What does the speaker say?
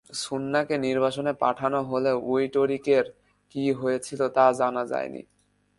সুন্নাকে নির্বাসনে পাঠানো হলেও উইটরিকের কী হয়েছিল তা জানা যায়নি।